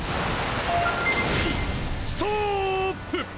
ストーップ！